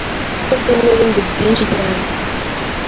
n’ibindi n’ibindi byinshi cyane